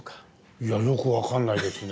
いやよく分かんないですね。